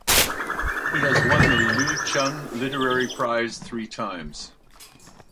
He has won the Lu Xun Literary Prize three times.